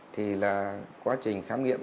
thì là quá trình khám nghiệm